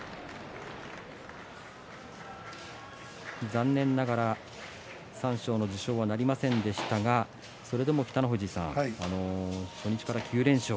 残念ながら三賞の受賞はなりませんでしたがそれでも北の富士さん初日から９連勝。